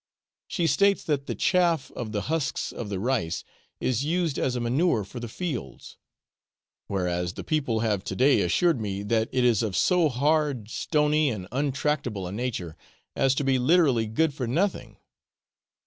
She states that the chaff of the husks of the rice is used as a manure for the fields; whereas the people have to day assured me that it is of so hard, stony, and untractable a nature, as to be literally good for nothing.